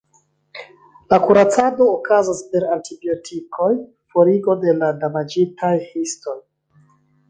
La kuracado okazas per antibiotikoj, forigo de la damaĝitaj histoj.